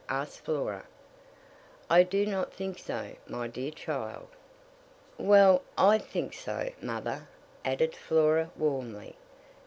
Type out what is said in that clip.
asked Flora. "I do not think so, my dear child." "Well, I think so, mother," added Flora, warmly.